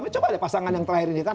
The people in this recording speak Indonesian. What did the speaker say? coba deh pasangan yang terakhir ini kan